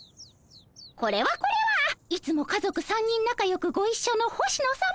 これはこれはいつも家族３人なかよくごいっしょの星野さま。